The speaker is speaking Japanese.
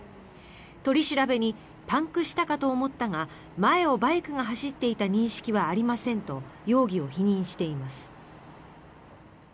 取り調べにパンクしたかと思ったが前をバイクが走っていた認識はありませんと容疑を否認しています。